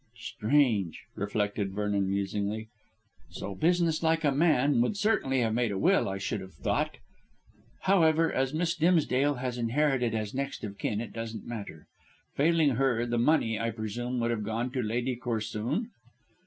"Strange," reflected Vernon musingly; "so business like a man would certainly have made a will, I should have thought. However, as Miss Dimsdale has inherited as next of kin it doesn't matter; failing her, the money, I presume, would have gone to Lady Corsoon?"